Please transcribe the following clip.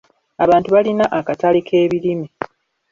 Abantu balina akatale k'ebirime.